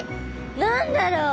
何だろう？